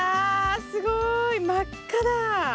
すごい真っ赤だ！